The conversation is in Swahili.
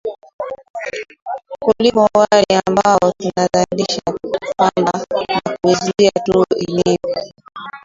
kuliko wale ambao tunazalisha pamba na kuiuza tu ilivyo